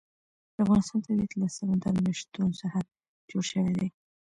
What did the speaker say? د افغانستان طبیعت له سمندر نه شتون څخه جوړ شوی دی.